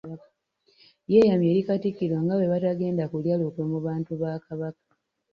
Yeeyamye eri Katikkiro nga bwe batagenda kulya lukwe mu bantu ba Kabaka .